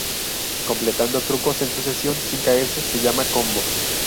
Completando trucos en sucesión sin caerse se llama combo.